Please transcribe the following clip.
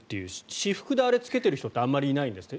私服であれを着けている人ってあまりいないんですって。